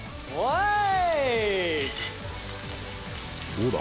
どうだ？